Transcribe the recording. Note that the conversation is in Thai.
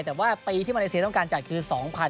แต่ว่าปีที่มาเลเซียต้องการจัดคือ๒๕๕